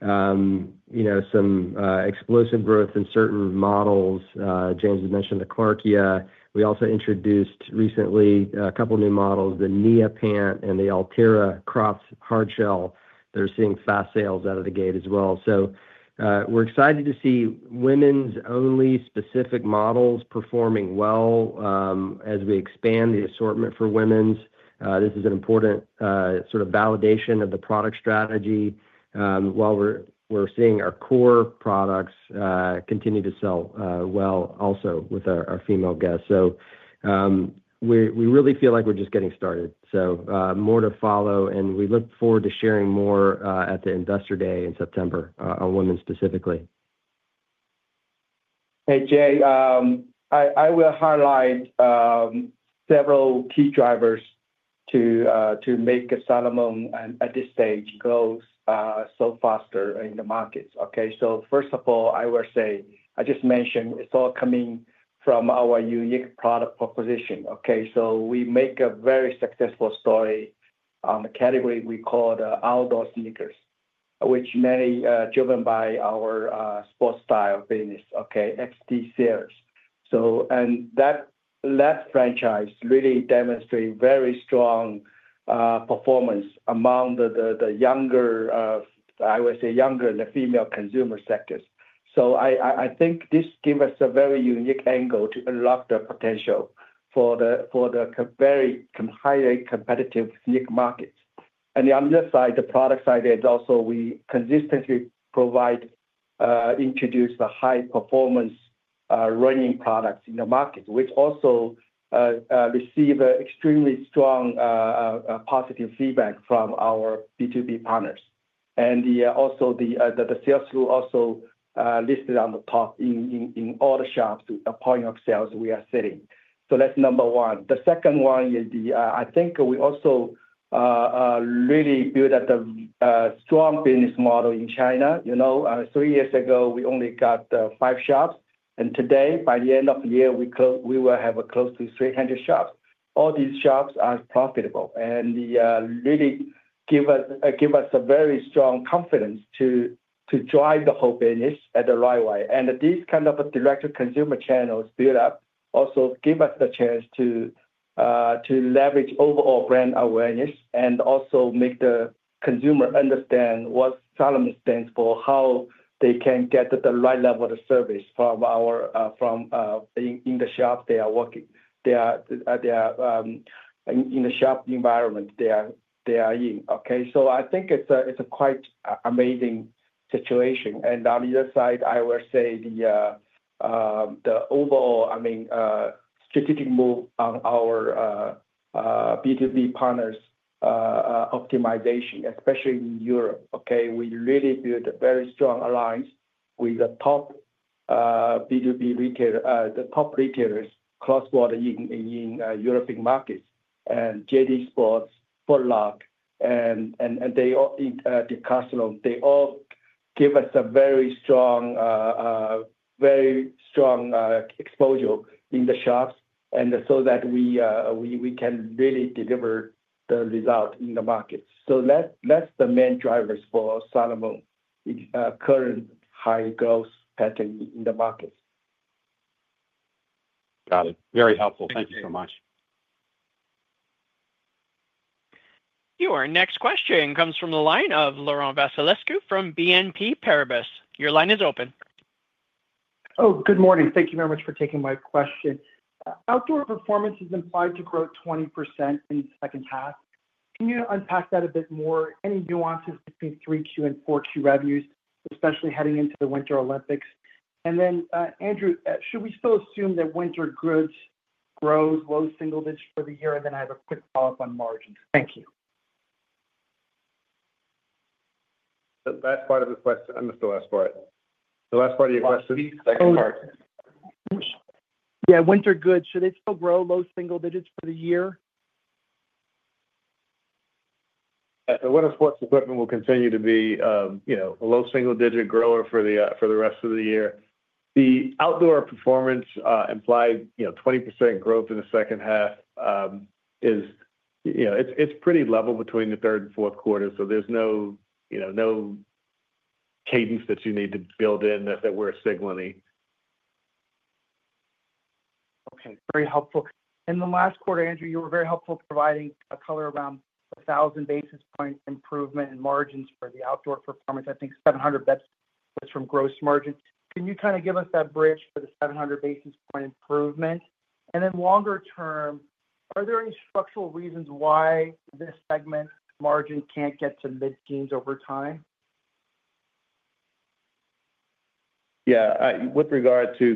There was some explosive growth in certain models. James had mentioned the Clarkia. We also introduced recently a couple of new models, the Nia Pant and the Altera crops hard shell that are seeing fast sales out of the gate as well. We're excited to see women's-only specific models performing well as we expand the assortment for women's. This is an important sort of validation of the product strategy. While we're seeing our core products continue to sell well also with our female guests, we really feel like we're just getting started. More to follow, and we look forward to sharing more at the Investor Day in September on women's specifically. Hey, Jay. I will highlight several key drivers to make Salomon at this stage grow so faster in the markets. First of all, I will say, I just mentioned it's all coming from our unique product proposition. We make a very successful story on the category we call the outdoor sneakers, which many are driven by our sports style business, FT sales. That franchise really demonstrates very strong performance among the younger, I would say younger in the female consumer sectors. I think this gives us a very unique angle to unlock the potential for the very highly competitive unique markets. On the other side, the product side is also we consistently provide, introduce a high-performance running product in the market, which also receives extremely strong positive feedback from our B2B partners. The sales group also listed on the top in all the shops to the point of sales we are sitting. That's number one. The second one is, I think we also really built up a strong business model in China. Three years ago we only got five shops, and today, by the end of the year, we will have close to 300 shops. All these shops are profitable and really give us a very strong confidence to drive the whole business the right way. These kinds of direct-to-consumer channels build up, also give us the chance to leverage overall brand awareness and also make the consumer understand what Salomon stands for, how they can get the right level of service from our, from in the shop they are working, they are, in the shop environment they are in. I think it's a quite amazing situation. On the other side, I will say the overall strategic move on our B2B partners' optimization, especially in Europe. We really built a very strong alliance with the top B2B retailers, the top retailers cross-border in European markets, and JD Sports, Foot Locker, and the customer. They all give us a very strong, very strong exposure in the shops so that we can really deliver the result in the markets. That's the main drivers for Salomon in the current high growth pattern in the markets. Got it. Very helpful. Thank you so much. Your next question comes from the line of Laurent Vasilescu from BNP Paribas. Your line is open. Good morning. Thank you very much for taking my question. Outdoor performance is implied to grow 20% in the second half. Can you unpack that a bit more? Any nuances between 3Q and 4Q revenues, especially heading into the Winter Olympics? Andrew, should we still assume that winter goods grows low single digits for the year? I have a quick follow-up on margins. Thank you. That's part of the question. I missed the last part. The last part of your question? The second part. Yeah, winter goods, should they still grow low single digits for the year? Winter sports equipment will continue to be a low single-digit grower for the rest of the year. The outdoor performance implies 20% growth in the second half, it's pretty level between the third and fourth quarter. There's no cadence that you need to build in that we're signaling. Okay, very helpful. The last quarter, Andrew, you were very helpful providing a color around 1,000 basis point improvement in margins for the outdoor performance. I think 700 basis points was from gross margin. Can you kind of give us that bridge for the 700 basis point improvement? Then longer term, are there any structural reasons why this segment margin can't get to mid-teens over time? Yeah, with regard to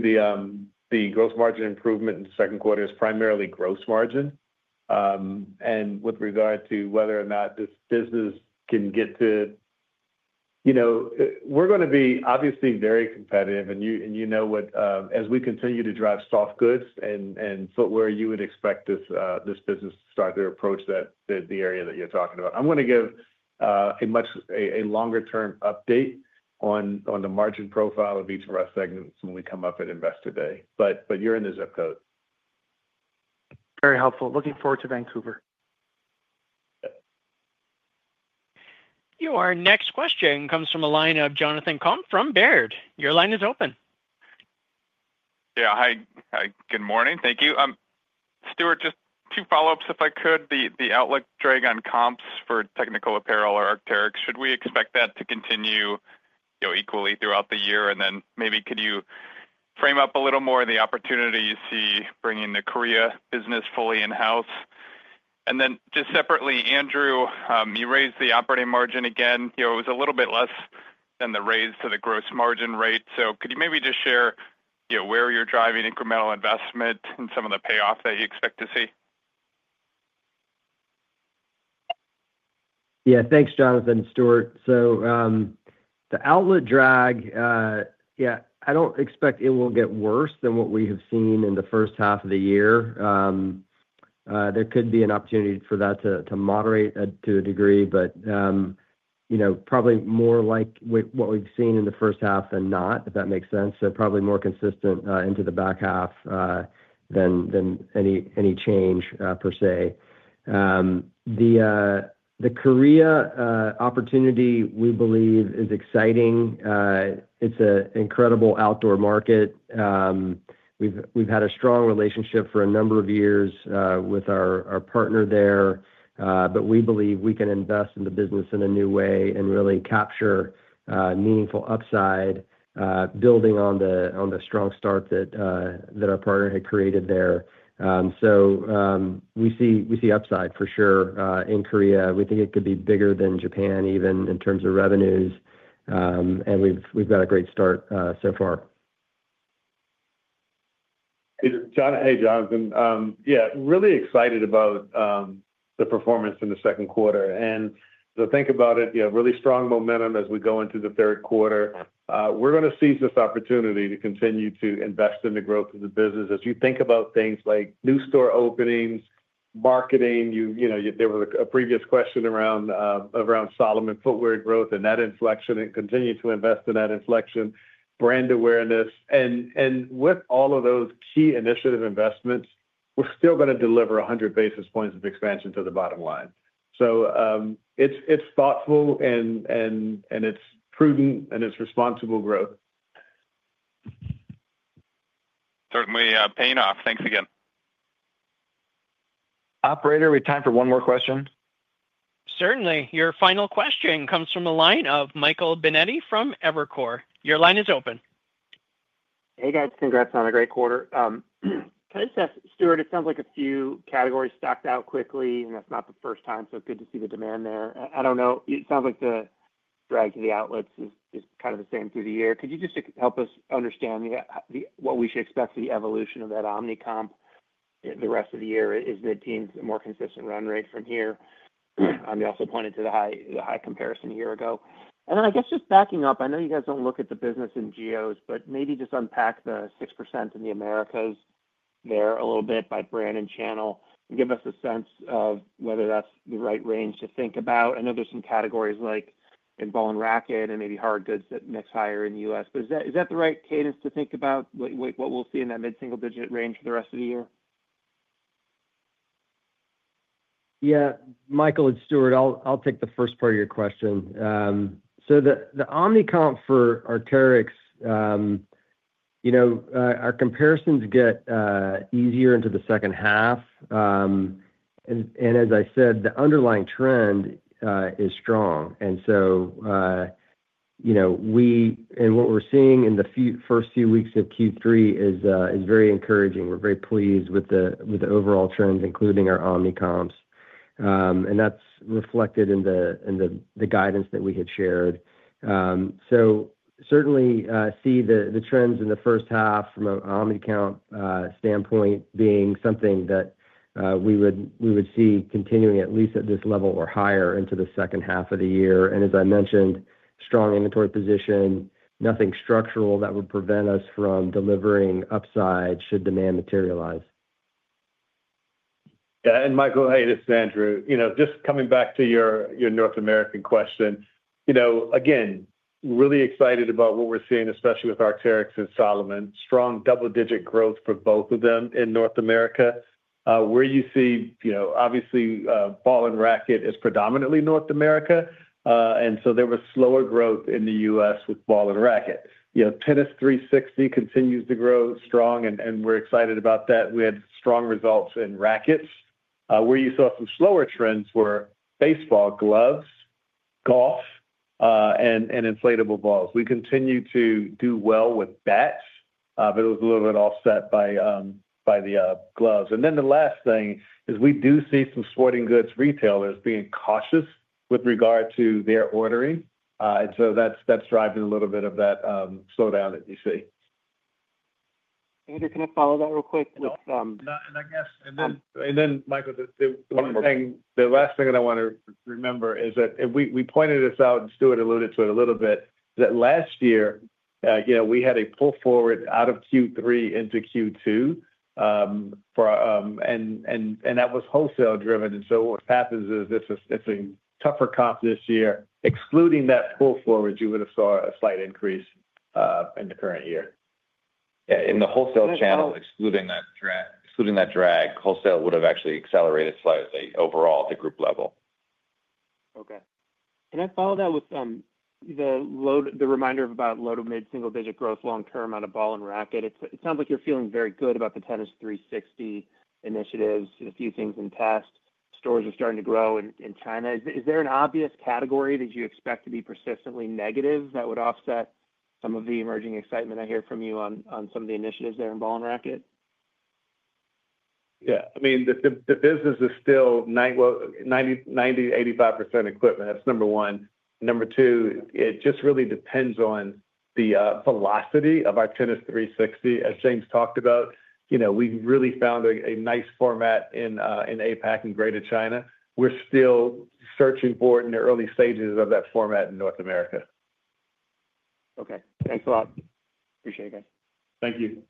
the gross margin improvement in the second quarter, it's primarily gross margin. With regard to whether or not this business can get to, you know, we're going to be obviously very competitive. As we continue to drive soft goods and footwear, you would expect this business to start to approach the area that you're talking about. I'm going to give a much longer-term update on the margin profile of each of our segments when we come up at Investor Day. You're in the zip code. Very helpful. Looking forward to Vancouver. Your next question comes from a line of Jonathan Komp from Baird. Your line is open. Yeah, hi. Good morning. Thank you. Stuart, just two follow-ups if I could. The outlook drag on comps for technical apparel or Arc'teryx, should we expect that to continue equally throughout the year? Maybe could you frame up a little more the opportunity you see bringing the Korea business fully in-house? Just separately, Andrew, you raised the operating margin again. It was a little bit less than the raise to the gross margin rate. Could you maybe just share where you're driving incremental investment and some of the payoff that you expect to see? Yeah, thanks, Jonathan, Stuart. The outlet drag, I don't expect it will get worse than what we have seen in the first half of the year. There could be an opportunity for that to moderate to a degree, but, you know, probably more like what we've seen in the first half than not, if that makes sense. Probably more consistent into the back half than any change per se. The Korea opportunity we believe is exciting. It's an incredible outdoor market. We've had a strong relationship for a number of years with our partner there, but we believe we can invest in the business in a new way and really capture meaningful upside, building on the strong start that our partner had created there. We see upside for sure in Korea. We think it could be bigger than Japan, even in terms of revenues. We've got a great start so far. Hey, Jonathan. Yeah, really excited about the performance in the second quarter. Think about it, you know, really strong momentum as we go into the third quarter. We're going to seize this opportunity to continue to invest in the growth of the business. As you think about things like new store openings, marketing, you know, there was a previous question around Salomon footwear growth and that inflection and continue to invest in that inflection, brand awareness. With all of those key initiative investments, we're still going to deliver 100 basis points of expansion to the bottom line. It's thoughtful and it's prudent and it's responsible growth. Certainly paying off. Thanks again. Operator, we have time for one more question. Certainly. Your final question comes from a line of Michael Binetti from Evercore. Your line is open. Hey, guys. Congrats on a great quarter. Can I just ask, Stuart, it sounds like a few categories stocked out quickly, and that's not the first time. It's good to see the demand there. I don't know, it sounds like the drag to the outlets is kind of the same through the year. Could you just help us understand what we should expect for the evolution of that omnicom in the rest of the year? Is mid-teens a more consistent run rate from here? You also pointed to the high comparison a year ago. I guess just backing up, I know you guys don't look at the business in geos, but maybe just unpack the 6% in the Americas there a little bit by brand and channel. Give us a sense of whether that's the right range to think about. I know there's some categories like in ball and racket and maybe hard goods that mix higher in the U.S., but is that the right cadence to think about what we'll see in that mid-single-digit range for the rest of the year? Yeah, Michael and Stuart, I'll take the first part of your question. The omnicom for Arc'teryx, our comparisons get easier into the second half. As I said, the underlying trend is strong. What we're seeing in the first few weeks of Q3 is very encouraging. We're very pleased with the overall trends, including our omnicoms, and that's reflected in the guidance that we had shared. We certainly see the trends in the first half from an omnicom standpoint being something that we would see continuing at least at this level or higher into the second half of the year. As I mentioned, strong inventory position, nothing structural that would prevent us from delivering upside should demand materialize. Yeah, and Michael, hey, this is Andrew. Just coming back to your North American question, really excited about what we're seeing, especially with Arc'teryx and Salomon. Strong double-digit growth for both of them in North America. Where you see, obviously ball and racket is predominantly North America, and there was slower growth in the U.S. with ball and racket. Tennis 360 continues to grow strong, and we're excited about that. We had strong results in rackets. Where you saw some slower trends were baseball, gloves, golf, and inflatable balls. We continue to do well with bats, but it was a little bit offset by the gloves. The last thing is we do see some sporting goods retailers being cautious with regard to their ordering, and that's driving a little bit of that slowdown that you see. Andrew, can I follow that real quick? I guess, Michael, the last thing that I want to remember is that we pointed this out, and Stuart alluded to it a little bit, is that last year, you know, we had a pull forward out of Q3 into Q2. That was wholesale driven. What happens is it's a tougher comp this year. Excluding that pull forward, you would have saw a slight increase in the current. Yeah. In the wholesale channel, excluding that drag, wholesale would have actually accelerated slightly overall at the group level. Okay. I followed that with the reminder about low to mid-single-digit growth long-term on ball and racket. It sounds like you're feeling very good about the Tennis 360 initiatives and a few things in the past. Stores are starting to grow in China. Is there an obvious category that you expect to be persistently negative that would offset some of the emerging excitement I hear from you on some of the initiatives there in ball and racket? Yeah. I mean, the business is still 90%, 90%, 85% equipment. That's number one. Number two, it just really depends on the velocity of our Tennis 360. As James talked about, you know, we really found a nice format in APAC and Greater China. We're still searching for it in the early stages of that format in North America. Okay, thanks a lot. Appreciate it, guys. Thank you.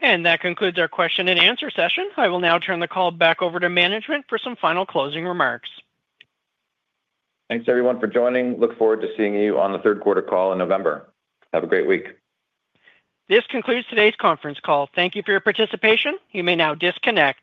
That concludes our question and answer session. I will now turn the call back over to management for some final closing remarks. Thanks, everyone, for joining. Look forward to seeing you on the third quarter call in November. Have a great week. This concludes today's conference call. Thank you for your participation. You may now disconnect.